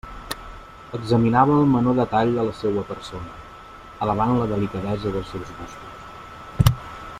Examinava el menor detall de la seua persona, alabant la delicadesa dels seus gustos.